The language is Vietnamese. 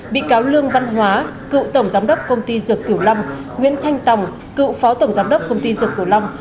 bị cáo lương văn hóa cựu tổng giám đốc công ty dược kiểu long nguyễn thanh tòng cựu phó tổng giám đốc công ty dược cổ long